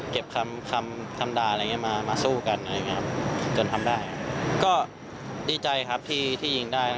ก็ดีใจครับที่ยิงได้